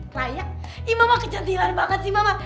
raya ii mama kecantilan banget si mama